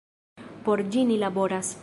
Por ĝi ni laboras.